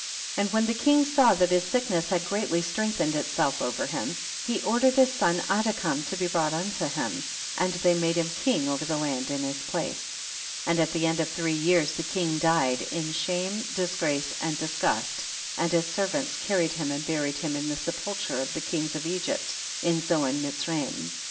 And when the king saw that his sickness had greatly strengthened itself over him, he ordered his son Adikam to be brought to him, and they made him king over the land in his place. 59. And at the end of three years, the king died, in shame, disgrace and disgust, and his servants carried him and buried him in the sepulchre of the kings of Egypt in Zoan Miz raim. 60.